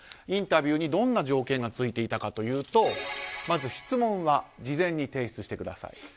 インタビューにどんな条件がついていたかというとまず質問は事前に提出してください。